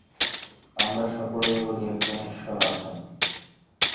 আমরা সকলেই বলি, একজন ঈশ্বর আছেন।